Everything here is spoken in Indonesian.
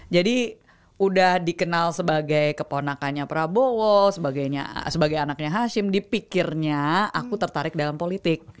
jadi udah dikenal sebagai keponakannya prabowo sebagai anaknya hashim dipikirnya aku tertarik dalam politik